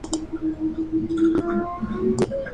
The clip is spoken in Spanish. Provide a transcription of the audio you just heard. Terminada la carrera universitaria trabajó como ingeniero.